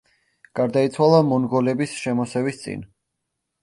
გარდაიცვალა მონღოლების შემოსევის წინ.